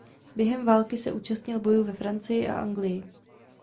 Během války se účastnil bojů ve Francii a Anglii.